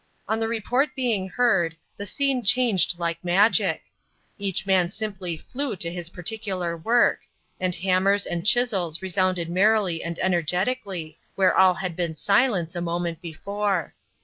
On the report being heard, the scene changed like magic: each man simply flew to his particular work, and hammers and chisels resounded merrily and energetically, where all had been silence a moment before.